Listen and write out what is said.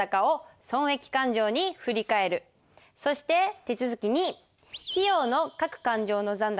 そして手続き２。